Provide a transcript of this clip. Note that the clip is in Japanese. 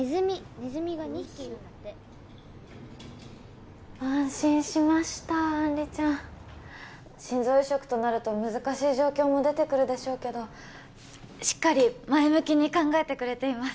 ネズミが２匹いるんだって安心しました杏里ちゃん心臓移植となると難しい状況も出てくるでしょうけどしっかり前向きに考えてくれています